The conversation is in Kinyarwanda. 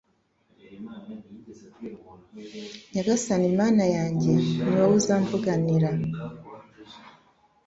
Nyagasani Mana yanjye ni wowe uzamvuganira